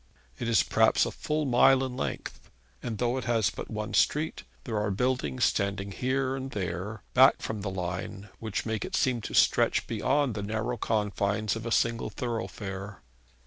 It is perhaps a full mile in length; and though it has but one street, there are buildings standing here and there, back from the line, which make it seem to stretch beyond the narrow confines of a single thoroughfare.